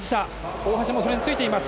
大橋もそれについています。